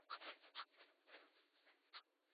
Uganda yabakia kwenye kiwango cha kipato cha chini